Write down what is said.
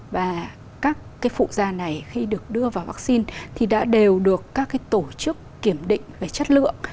và các phụ da này khi được đưa vào vắc xin thì đã đều được các tổ chức kiểm định về chất lượng